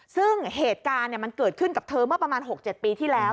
ซึ่งเหตุการณ์มันเกิดขึ้นกับเธอเมื่อประมาณ๖๗ปีที่แล้ว